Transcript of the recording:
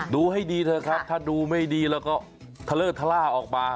ดูให้ดีเถอะครับถ้าดูไม่ดีแล้วก็ทะเลอร์ทะล่าออกมา